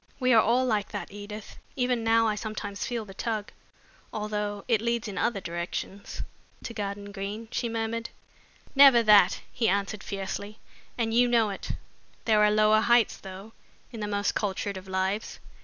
We are all like that, Edith! Even now I sometimes feel the tug, although it leads in other directions." "To Garden Green?" she murmured. "Never that," he answered fiercely, "and you know it. There are lower heights, though, in the most cultured of lives.